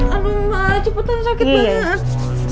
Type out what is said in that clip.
aduh malah cepetan sakit banget